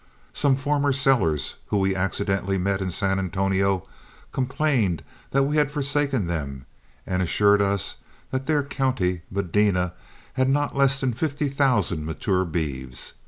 Some former sellers whom we accidentally met in San Antonio complained that we had forsaken them and assured us that their county, Medina, had not less than fifty thousand mature beeves.